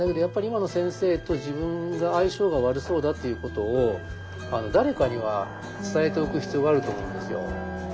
やっぱり「今の先生と自分が相性が悪そうだ」っていうことを誰かには伝えておく必要があると思うんですよ。